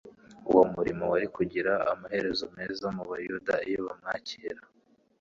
Uwo murimo wari kugira amaherezo meza mu Bayuda iyo bamwakira.